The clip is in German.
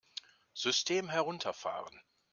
System herunterfahren!